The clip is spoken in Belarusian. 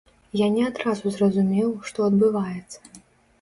Я не адразу зразумеў, што адбываецца!